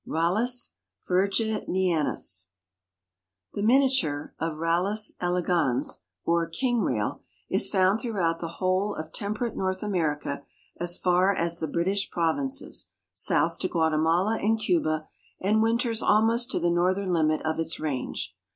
(Rallus virginianus.) This miniature of Rallus elegans or king rail, is found throughout the whole of temperate North America as far as the British Provinces, south to Guatemala and Cuba, and winters almost to the northern limit of its range.